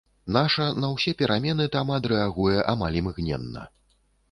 Наша на ўсе перамены там адрэагуе амаль імгненна.